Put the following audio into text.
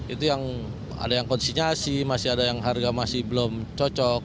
itu yang ada yang konsinyasi masih ada yang harga masih belum cocok